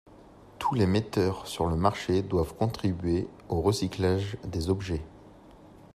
Tous les metteurs sur le marché doivent contribuer au recyclage des objets.